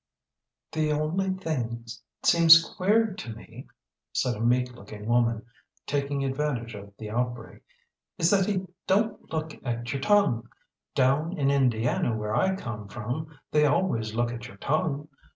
"The only thing seems queer to me," said a meek looking woman, taking advantage of the outbreak, "is that he don't look at your tongue. Down in Indiana, where I come from, they always look at your tongue.